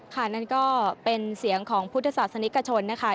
นั่นก็เป็นเสียงของพุทธศาสนิกชนนะคะ